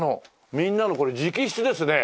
みんなのこれ直筆ですね。